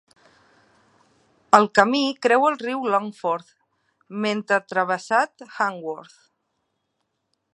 El camí creua el riu Longford mentre travessat Hanworth.